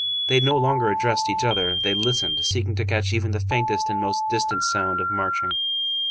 They no longer addressed each other, they listened, seeking to catch even the faintest and most distant sound of marching.